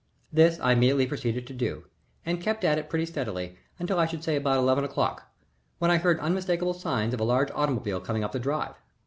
This I immediately proceeded to do, and kept at it pretty steadily until I should say about eleven o'clock, when I heard unmistakable signs of a large automobile coming up the drive.